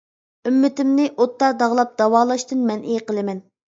ئۈممىتىمنى ئوتتا داغلاپ داۋالاشتىن مەنئى قىلىمەن.